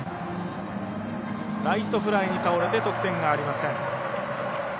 ライトフライに倒れて得点がありません。